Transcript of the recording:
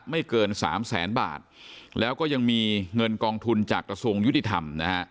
ไม่เกินสามแสนบาทแล้วก็ยังมีเงินกองทุนจากกระทรวงยุติธรรมนะฮะ